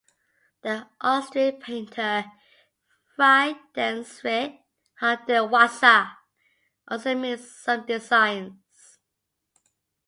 The Austrian painter Friedensreich Hundertwasser also made some designs.